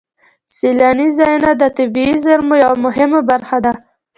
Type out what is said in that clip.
سیلاني ځایونه د طبیعي زیرمو یوه مهمه برخه ده.